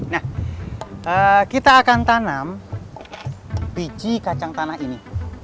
nah kita akan tanam biji kacang tanah ini